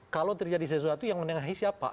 kalau terjadi sesuatu yang menengahi siapa